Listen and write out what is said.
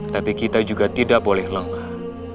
tapi kita juga tidak boleh lemah